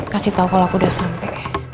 kasih tau kalau aku udah sampai